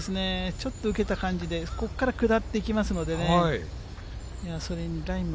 ちょっと受けた感じで、ここから下っていきますのでね。